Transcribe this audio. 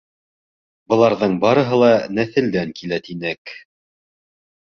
Быларҙың барыһы ла нәҫелдән килә, тинек.